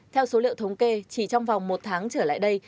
theo số liệu thống kê chỉ trong vòng một tháng trở lại đây